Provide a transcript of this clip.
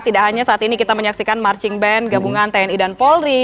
tidak hanya saat ini kita menyaksikan marching band gabungan tni dan polri